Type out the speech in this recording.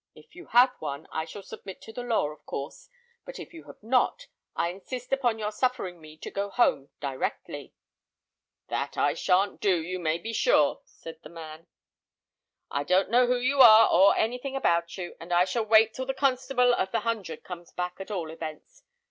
If you have one, I shall submit to the law, of course; but if you have not, I insist upon your suffering me to go home directly." "That I shan't do, you may be sure," said the man. "I don't know who you are, or anything about you; and I shall wait till the constable of the hundred comes back, at all events.